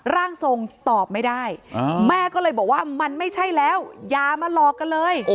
ร่างทรงตอบไม่ได้แม่ก็เลยบอกว่ามันไม่ใช่แล้วอย่ามาหลอกกันเลย